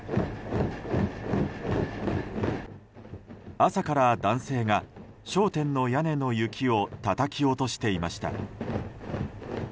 朝から男性が、商店の屋根の雪をたたき落としていました。